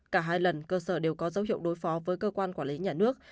cả hai lần cơ sở đều có dấu hiệu đối phó với cơ quan quản lý nhà nước